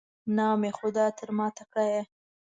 نام خدای، تر ما تکړه یې.